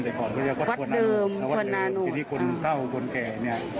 แต่ก่อนก็ยังวัดเดิมวัดนานโหนที่ที่คนเต้าคนแก่เนี้ย